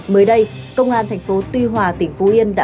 mới đây công an tp tuy hòa tỉnh phú yên đã báo rằng